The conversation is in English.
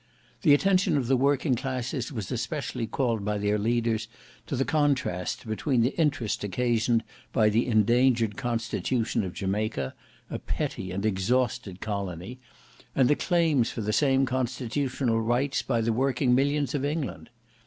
The attention of the working classes was especially called by their leaders to the contrast between the interest occasioned by the endangered constitution of Jamaica, a petty and exhausted colony, and the claims for the same constitutional rights by the working millions of England.